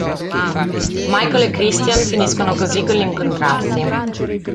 Michael e Christian finiscono così con l'incontrarsi.